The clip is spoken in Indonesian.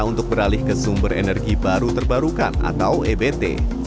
untuk beralih ke sumber energi baru terbarukan atau ebt